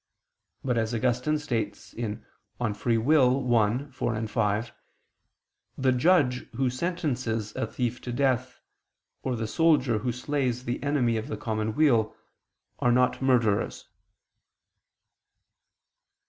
But, as Augustine states (De Lib. Arb. i, 4, 5), the judge who sentences a thief to death, or the soldier who slays the enemy of the common weal, are not murderers.